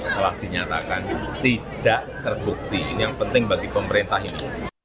telah dinyatakan tidak terbukti ini yang penting bagi pemerintah ini